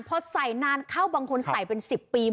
พอใส่นานเข้าบางคนใส่เป็น๑๐ปี